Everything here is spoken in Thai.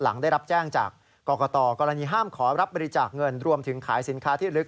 หลังได้รับแจ้งจากกรกตกรณีห้ามขอรับบริจาคเงินรวมถึงขายสินค้าที่ลึก